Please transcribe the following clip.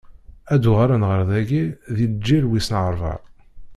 Ad d-uɣalen ɣer dagi di lǧil wis ṛebɛa.